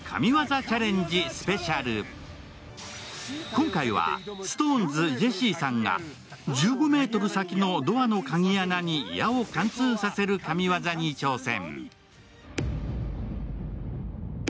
今回はＳｉｘＴＯＮＥＳ・ジェシーさんが１５ｍ先のドアの鍵穴に矢を貫通させる神業に挑戦。